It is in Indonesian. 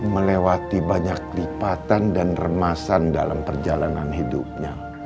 melewati banyak lipatan dan remasan dalam perjalanan hidupnya